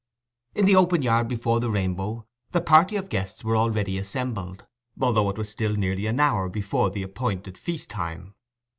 In the open yard before the Rainbow the party of guests were already assembled, though it was still nearly an hour before the appointed feast time.